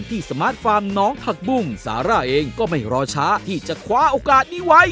สมาร์ทฟาร์มน้องผักบุ้งซาร่าเองก็ไม่รอช้าที่จะคว้าโอกาสนี้ไว้